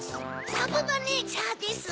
サブマネジャーです。